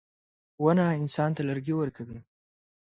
• ونه انسان ته لرګي ورکوي.